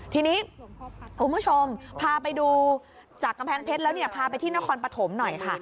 ทีนี้คุณผู้ชมพาไปดูจากกำแพงเพชรแล้วเนี่ยพาไปที่นครปฐมหน่อยค่ะ